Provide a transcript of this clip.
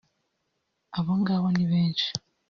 abongabo ni benshi